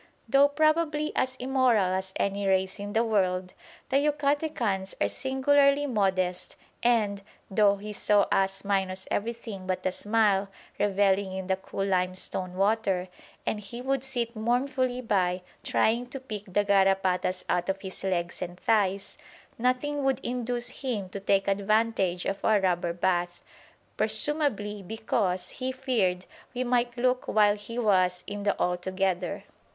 Though probably as immoral as any race in the world, the Yucatecans are singularly modest, and, though he saw us minus everything but a smile revelling in the cool limestone water and he would sit mournfully by trying to pick the garrapatas out of his legs and thighs, nothing would induce him to take advantage of our rubber bath, presumably because he feared we might look while he was in the "altogether."